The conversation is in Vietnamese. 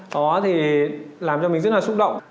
đó thì làm cho mình rất là xúc động